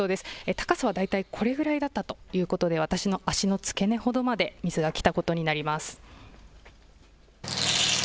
高さは大体これぐらいだったということで私の足の付け根ほどまで水が来たことになります。